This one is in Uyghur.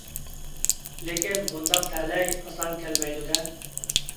لېكىن بۇنداق تەلەي ئاسان كەلمەيدۇ دە.